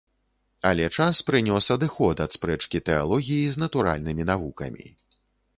Але час прынёс адыход ад спрэчкі тэалогіі з натуральнымі навукамі.